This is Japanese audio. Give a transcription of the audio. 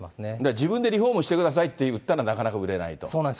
自分でリフォームしてくださいって言ったら、なかなか売れなそうなんです。